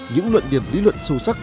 những luận điểm lý luận sâu sắc